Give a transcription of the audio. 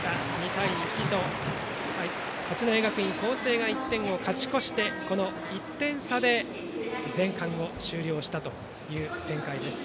２対１と八戸学院光星が１点勝ち越して１点差で前半を終了したという展開です。